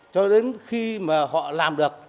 cho đến khi mà họ làm được